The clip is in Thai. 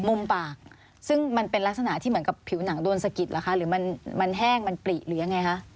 มุมปากซึ่งมันเป็นลักษณะที่เหมือนกับผิวหนังโดนสะกิดเหรอคะหรือมันแห้งมันปลิหรือยังไงคะ